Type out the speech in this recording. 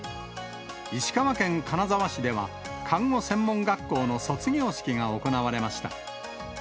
石川県金沢市では、看護専門学校の卒業式が行われました。